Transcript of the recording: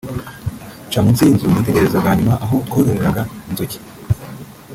nca munsi y’inzu nitegereza bwa nyuma aho twororeraga inzuki